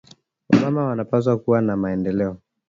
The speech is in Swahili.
Wa mama wana pashwa kuwa na maendeleo